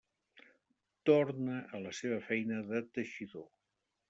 Torna a la seva feina de teixidor.